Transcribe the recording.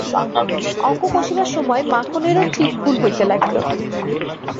অংশ কষিবার সময় মাখনেরও ঠিক ভুল হইতে লাগিল।